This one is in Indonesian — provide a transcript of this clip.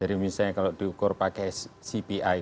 jadi misalnya kalau diukur pakai cpi